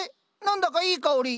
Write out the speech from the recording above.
何だかいい香り。